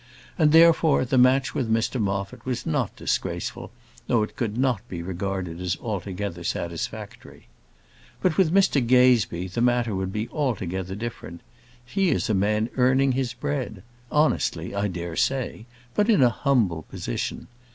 And, therefore, the match with Mr Moffat was not disgraceful, though it could not be regarded as altogether satisfactory. But with Mr Gazebee the matter would be altogether different. He is a man earning his bread; honestly, I dare say, but in a humble position.